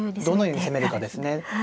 どのように攻めるかですね。